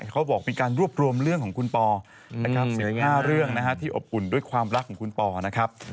เขาบอกมีการรวบรวมเรื่องของคุณปอนะครับ๑๕เรื่องที่อบอุ่นด้วยความรักของคุณปอนะครับ